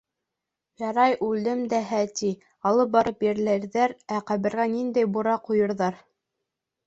Ярай үлдем дә ти, алып барып ерләрҙәр, ә ҡәбергә ниндәй бура ҡуйырҙар?